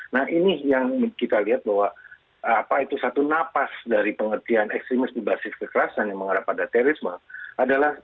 nah ini yang kita lihat bahwa apa itu satu napas dari pengertian ekstremis dibasis kekerasan yang mengarah pada terorisme adalah